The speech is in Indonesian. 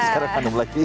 sekarang hanum lagi